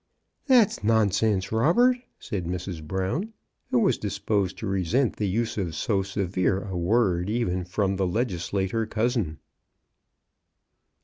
"That's nonsense, Robert," said Mrs. Brown, who was disposed to resent the use of so severe a word, even from the legislator cousin.